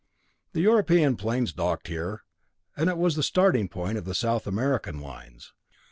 The European planes docked here, and it was the starting point of the South American lines.